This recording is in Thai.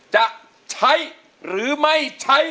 จะใช้หรือไม่ใช้